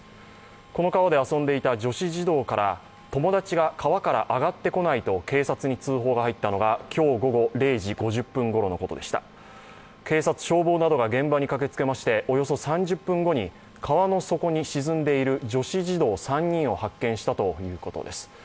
この川で遊んでいた女子児童から友達が川から上がってこないと警察に通報が入ったのが今日午後０時５０分ごろのことでした警察、消防などが現場に駆けつけまして、およそ３０分後に川の底に沈んでいる女子児童３人を発見したということです。